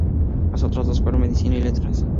Las otras dos fueron Medicina y Letras.